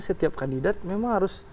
setiap kandidat memang harus